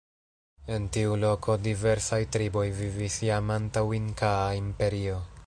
En tiu loko diversaj triboj vivis jam antaŭ Inkaa imperio.